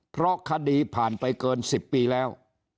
เพราะคดีผ่านไปเกิน๑๐ปีแล้ว